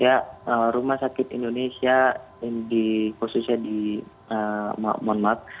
ya rumah sakit indonesia yang dikhususnya di monmak